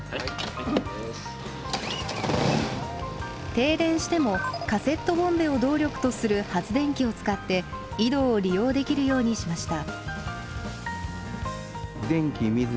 停電してもカセットボンベを動力とする発電機を使って井戸を利用できるようにしました。